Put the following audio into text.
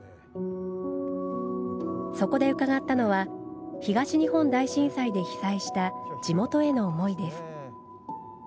そこで伺ったのは東日本大震災で被災した地元への思いです。